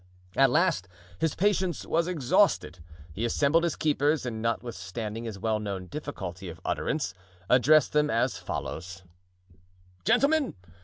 At last his patience was exhausted. He assembled his keepers, and notwithstanding his well known difficulty of utterance, addressed them as follows: "Gentlemen!